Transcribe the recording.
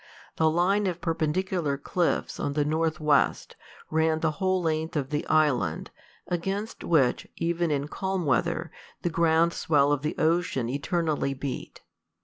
The line of perpendicular cliffs on the north west ran the whole length of the island, against which, even in calm weather, the ground swell of the ocean eternally beat.